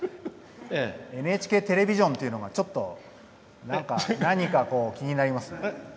「ＮＨＫテレビジョン」というのが何か気になりますね。